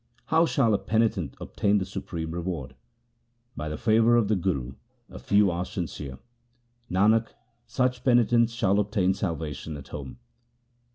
How shall a penitent obtain the supreme reward ? By the favour of the Guru a few are sincere : Nanak, such penitents shall obtain salvation at home.